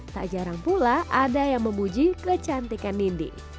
tak jarang pula ada yang memuji kecantikan dinding